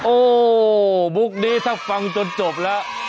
โอ้โฮบุ๊คดีสักฟังจนจบแล้ว